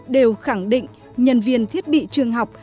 đều khẳng định nhân viên thiết bị trường học